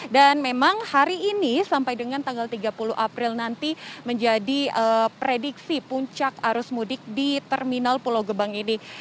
dan memang hari ini sampai dengan tanggal tiga puluh april nanti menjadi prediksi puncak arus mudik di terminal pulau gebang ini